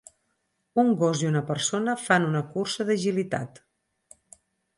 Un gos i una persona fan una cursa d'agilitat.